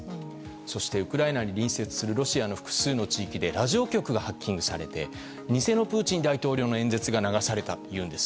そして、ウクライナに隣接するロシアの複数地域でラジオ局がハッキングされて偽のプーチン大統領の演説が流されたというんです。